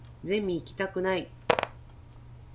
ゼミ行きたくない